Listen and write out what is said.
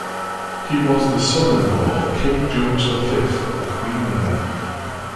He was the son-in-law of King George the Fifth and Queen Mary.